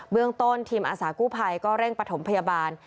เรื่องต้นทีมอาสากู้ภัยก็เร่งปฐมพยาบาล